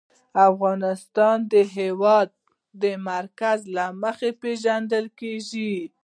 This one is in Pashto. افغانستان د د هېواد مرکز له مخې پېژندل کېږي.